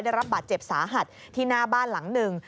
ได้รับบาดเจ็บสาหัสที่หน้าบ้านหลังหนึ่ง